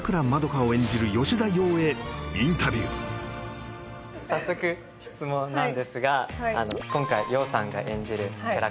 花を演じる吉田羊へインタビュー早速質問なんですが今回羊さんが演じるキャラクター